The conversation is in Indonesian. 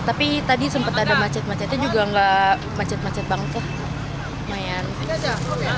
tapi tadi sempat ada macet macetnya juga nggak macet macet banget